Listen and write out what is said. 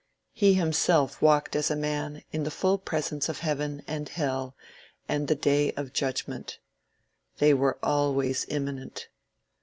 He himself walked as a man in the full presence of heaven and hell and the day of judgment. They were always imminent.